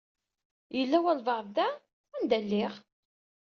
Yella walbaɛḍ da? Anda ay lliɣ?